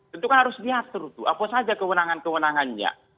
tentu kan harus diatur tuh apa saja kewenangan kewenangannya